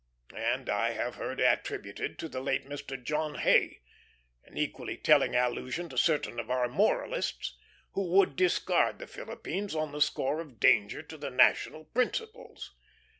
And I have heard attributed to the late Mr. John Hay an equally telling allusion to certain of our moralists, who would discard the Philippines on the score of danger to the national principles.